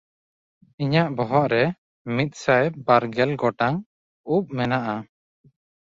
ᱤᱧᱟᱜ ᱵᱚᱦᱚᱜ ᱨᱮ ᱢᱤᱫᱥᱟᱭ ᱵᱟᱨᱜᱮᱞ ᱜᱚᱴᱟᱝ ᱩᱵ ᱢᱮᱱᱟᱜᱼᱟ᱾